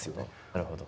なるほど。